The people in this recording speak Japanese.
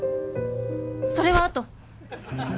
それはあと！